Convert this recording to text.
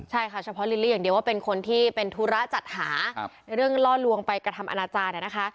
ใช่ค่ะเฉพาะลิลลี่อย่างเดียวว่าเป็นคนที่เป็นธุระจัดหาเรื่องล่อลวงไปกระทำอนาจารย์นะคะ